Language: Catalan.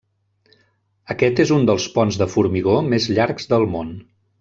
Aquest és un dels ponts de formigó més llargs del món.